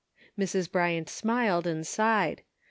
Mrs. Bryant smiled and sighed.